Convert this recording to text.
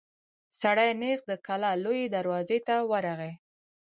سړی نېغ د کلا لويي دروازې ته ورغی.